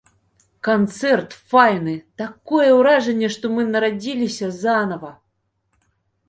Канцэрт файны, такое ўражанне, што мы нарадзіліся занава!